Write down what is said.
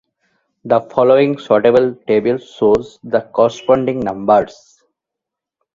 The following sortable table shows the corresponding numbers.